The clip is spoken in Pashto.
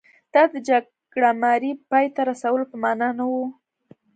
دا د جګړه مارۍ پای ته رسولو په معنا نه و.